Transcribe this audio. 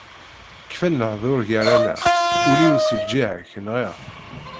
Kfan lehdur gar-aneɣ, ul-iw si lǧiha-k nɣiɣ-t.